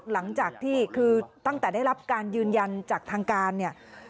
หลังจากที่คือตั้งแต่ได้รับการยืนยันจากทางการเนี่ย